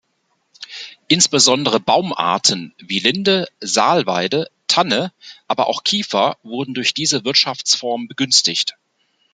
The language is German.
Insbesondere Baumarten wie Linde, Salweide, Tanne, aber auch Kiefer wurden durch diese Wirtschaftsform begünstigt.